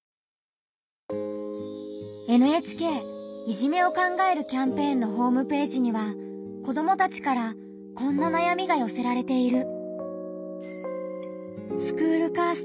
ＮＨＫ「いじめを考えるキャンペーン」のホームページには子どもたちからこんななやみがよせられている。